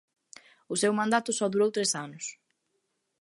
O seu mandato só durou tres anos.